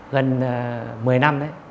gần một mươi năm đấy